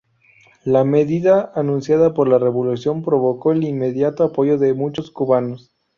La medida, anunciada por la Revolución, provocó el inmediato apoyo de muchos cubanos.